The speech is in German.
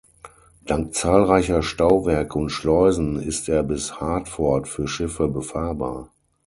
Dank zahlreicher Stauwerke und Schleusen ist er bis Hartford für Schiffe befahrbar.